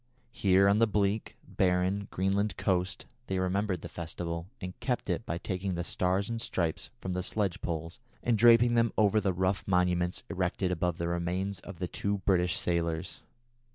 Here on the bleak, barren Greenland coast they remembered the festival, and kept it by taking the Stars and Stripes from the sledge poles and draping them over the rough monuments erected above the remains of the two British sailors.